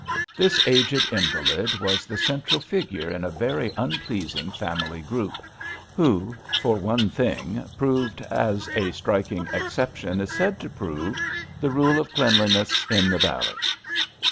This aged invalid was the central figure in a very unpleasing family group, who, for one thing, proved — as a striking exception is said to prove — the rule of cleanliness in the valley.